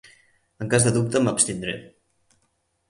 En cas de dubte, m'abstindré.